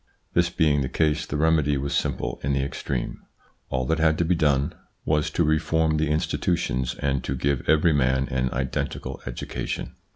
This being the case the remedy was simple in the extreme : all that had to be done was INTRODUCTION xv to reform the institutions and to give every man an identical education.